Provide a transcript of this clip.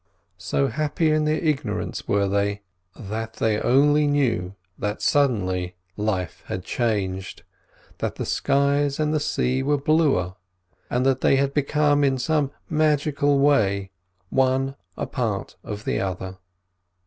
So happy in their ignorance were they, that they only knew that suddenly life had changed, that the skies and the sea were bluer, and that they had become in some magical way one a part of the other.